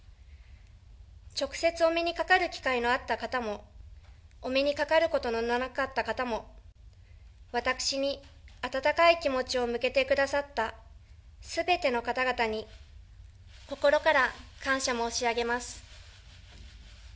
直接お目にかかる機会のあった方も、お目にかかることのなかった方も、私に温かい気持ちを向けてくださった、すべての方々に、心から感謝申し上げます。